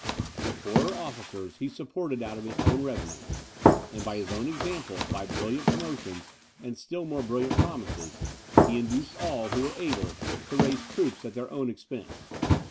The poorer officers he supported out of his own revenues; and, by his own example, by brilliant promotions, and still more brilliant promises, he induced all, who were able, to raise troops at their own expense.